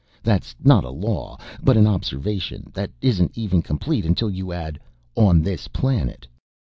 That's not a law, but an observation that isn't even complete until you add 'on this planet.'